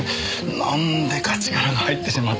なんでか力が入ってしまって。